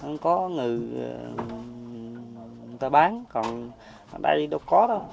người ta bán còn ở đây đâu có đâu